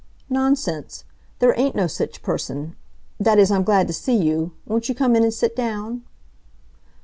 "Nonsense! There ain't no sich person that is, I'm glad to see you. Won't you come in and sit down?"